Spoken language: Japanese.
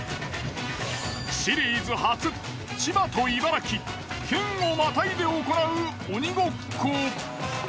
シリーズ初千葉と茨城県をまたいで行う鬼ごっこ。